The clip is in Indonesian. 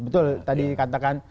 betul tadi katakan